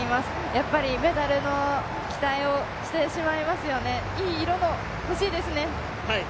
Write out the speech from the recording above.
やっぱりメダルの期待をしてしまいますよね、いい色の欲しいですね。